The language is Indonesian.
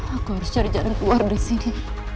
aku harus cari jalan keluar disini